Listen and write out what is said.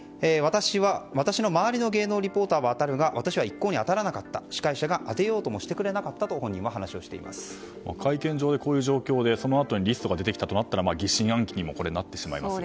私の周りの芸能リポーターは当たるが私は一向に当たらなかった司会者が当てようとしなかったと会見場でこういう状況でリストが出てきたとなったら疑心暗鬼にもなりますね。